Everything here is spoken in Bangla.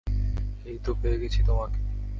এই তো পেয়ে গেছি তোমাকে।